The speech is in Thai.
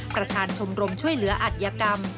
ประธานชมรมช่วยเหลืออัธยกรรม